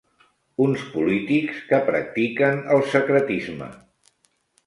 Uns polítics que practiquen el secretisme.